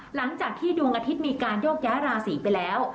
หลังจากที่ดวงอาทิตย์มีการโยกย้ายราศีไปแล้ว